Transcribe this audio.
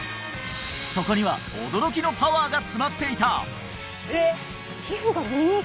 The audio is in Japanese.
そこには驚きのパワーが詰まっていた！